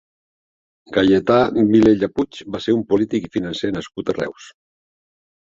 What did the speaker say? Gaietà Vilella Puig va ser un polític i financer nascut a Reus.